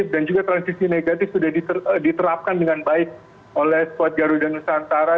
dan juga transisi negatif sudah diterapkan dengan baik oleh squad garuda nusantara